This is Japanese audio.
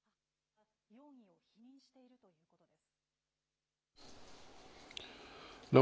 母親は容疑を否認しているということです。